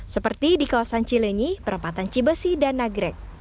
seperti di kawasan cilenyi perempatan cibesi dan nagrek